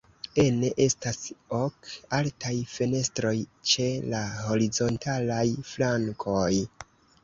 Ene estas ok altaj fenestroj ĉe la horizontalaj flankoj.